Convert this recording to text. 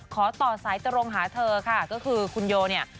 ขอต่อสายตรงคุณโยเนี่ย